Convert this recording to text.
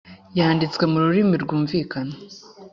yanditswe mu rurimi rwumvikana